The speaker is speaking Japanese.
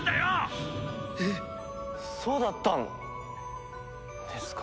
えっそうだったんですか？